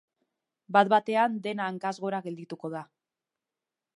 Bat-batean, dena hankaz gora geldituko da.